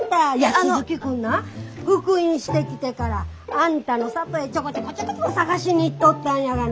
鈴木君な復員してきてからあんたの里へちょこちょこちょこちょこ捜しに行っとったんやがな。